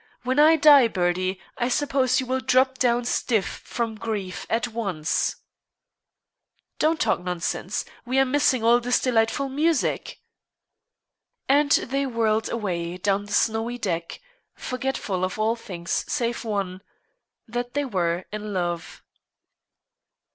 When I die, Bertie, I suppose you will drop down stiff from grief at once." "Don't talk nonsense. We are missing all this delightful music." And they whirled away down the snowy deck, forgetful of all things save one, that they were in love.